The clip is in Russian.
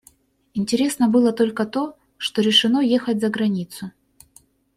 Интересно было только то, что решено ехать за границу.